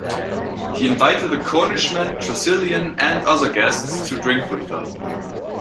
He invited the Cornishman, Tressilian, and other guests to drink with them.